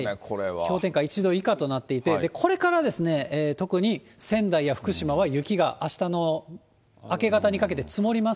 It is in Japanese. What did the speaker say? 氷点下１度以下となっていて、これから特に仙台や福島は雪があしたの明け方にかけて積もります